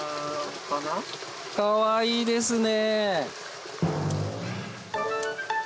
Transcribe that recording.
かわいいですね。